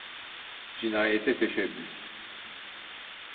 Cinayete teşebbüs.